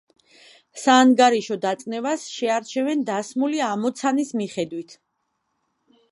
საანგარიშო დაწნევას შეარჩევენ დასმული ამოცანის მიხედვით.